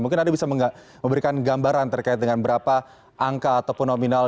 mungkin anda bisa memberikan gambaran terkait dengan berapa angka ataupun nominal